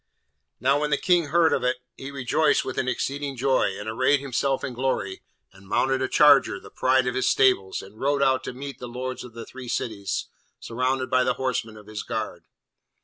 Now, when the King heard of it, he rejoiced with an exceeding joy, and arrayed himself in glory, and mounted a charger, the pride of his stables, and rode out to meet the Lords of the three cities surrounded by the horsemen of his guard.